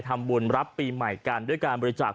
สมหวังก็ไปตามกันบางคนได้โชคได้